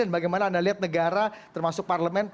dan bagaimana anda lihat negara termasuk parlemen